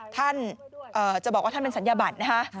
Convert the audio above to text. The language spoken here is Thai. ท่านจะบอกว่าท่านเป็นศัลยบัตรนะฮะ